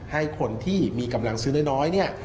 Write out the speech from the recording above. ให้คนที่มีกำลังซื้อน้อยเนี่ย